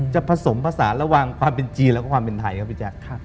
ผสมผสานระหว่างความเป็นจีนแล้วก็ความเป็นไทยครับพี่แจ๊ค